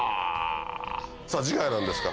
さぁ次回は何ですか？